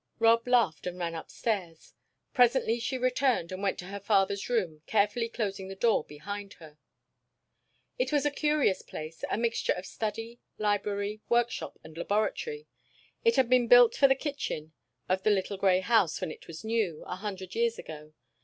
Rob laughed and ran upstairs. Presently she returned, and went to her father's room, carefully closing the door behind her. It was a curious place, a mixture of study, library, workshop, and laboratory. It had been built for the kitchen of the little grey house when it was new, a hundred years ago.